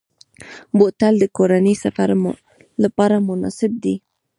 بوتل د کورنۍ سفر لپاره مناسب دی.